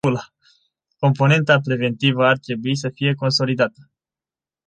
Componenta preventivă ar trebui să fie consolidată.